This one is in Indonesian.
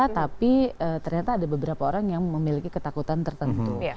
tapi ternyata ada beberapa orang yang memiliki ketakutan tertentu